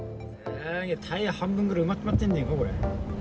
タイヤ半分ぐらい埋まっちまってんじゃないか、これ。